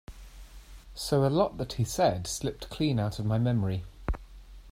So a lot that he said slipped clean out of my memory.